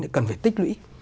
thì cần phải tích lũy